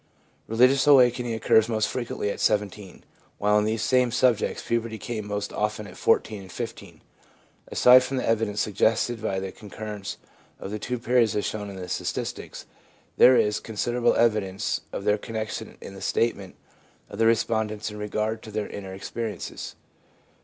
Religious awaken ing occurs most frequently at 17, while in these same subjects puberty came most often at 14 and 15. Aside from the evidence suggested by the concurrence of the two periods as shown in the statistics, there is consider able evidence of their connection in the statement of the respondents in regard to their inner experiences.